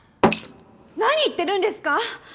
何言ってるんですか！？